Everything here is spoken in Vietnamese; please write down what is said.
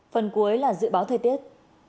phần cuối là dự báo thời tiết